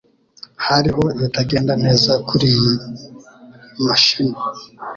Hariho ibitagenda neza kuriyi mashini.